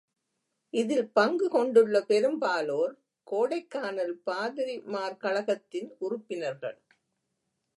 இதில் பங்குகொண்டுள்ள பெரும்பாலோர் கோடைக்கானல் பாதிரிமார்கழகத்தின் உறுப்பினர்கள்.